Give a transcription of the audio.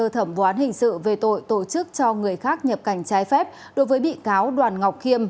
thẩm võ án hình sự về tội tổ chức cho người khác nhập cảnh trái phép đối với bị cáo đoàn ngọc khiêm